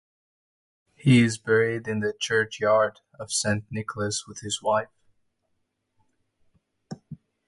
He is buried in the churchyard of St Nicholas with his wife.